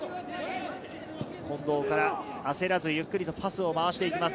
近藤から焦らずゆっくりとパスを回して行きます。